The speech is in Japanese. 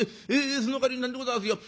そのかわりなんでございますよ